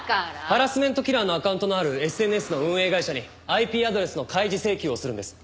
ハラスメントキラーのアカウントのあるＳＮＳの運営会社にＩＰアドレスの開示請求をするんです。